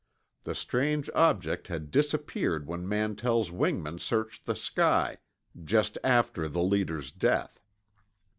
The strange object had disappeared when Mantell's wingman searched the sky, just after the leader's death.